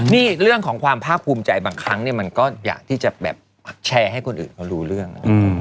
นี่เรื่องของความภาคภูมิใจบางครั้งเนี่ยมันก็อยากที่จะแบบแชร์ให้คนอื่นเขารู้เรื่อง